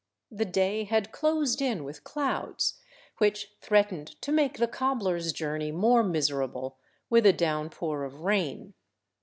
The day had closed in with clouds, which threatened to make the cobbler's journey more miserable with a down–pour of rain.